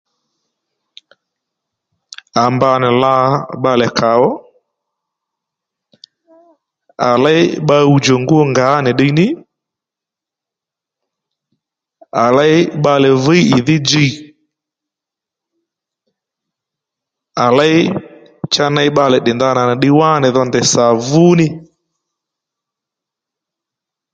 À mba nì la bbalè kàò à léy bba ɦuwdjò ngú ngǎ nì ddiy ní à léy bbalè víy ìdhí djiy à léy cha ney bbalè tdè ndanà nì ddiy dhò ndèy sà vúní